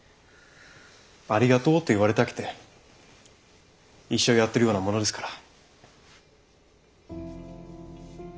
「ありがとう」と言われたくて医者をやっているようなものですから。